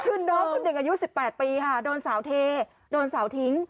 คือน้องคุณเด็กอายุ๑๘ปีโดนสาวเทโดนสาวทิ้ง